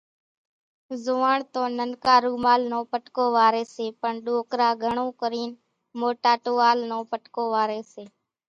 زوئاڻ تو ننڪا رومال نو پٽڪو واريَ سي، پڻ ڏوڪرا گھڻون ڪرين موٽا ٽووال نو پٽڪو واريَ سي۔